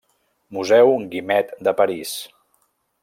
Museu Guimet de París.